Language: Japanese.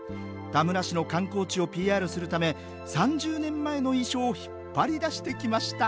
田村市の観光地をＰＲするため３０年前の衣装を引っ張り出してきました